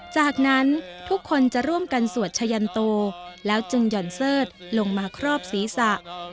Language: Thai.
จากนั้นทุกคนจะร่วมกันสวดชะยันโตแล้วจึงหย่อนเสิร์ธลงมาครอบศีรษะ